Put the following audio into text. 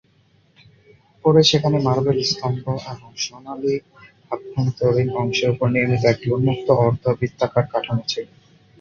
পরে সেখানে মার্বেল স্তম্ভ এবং সোনালী আভ্যন্তরীন অংশের উপর নির্মিত একটি উন্মুক্ত অর্ধবৃত্তাকার কাঠামো ছিল।